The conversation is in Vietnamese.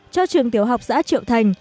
cho trường tiểu học giã triệu thành